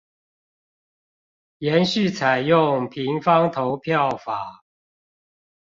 延續採用平方投票法